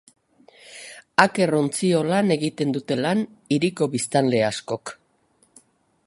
Aker ontziolan egiten dute lan hiriko biztanle askok.